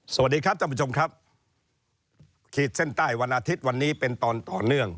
สวัสดีครับท่านผู้ชมครับขีดเส้นใต้วันอาทิตย์วันนี้เป็นตอนต่อเนื่อง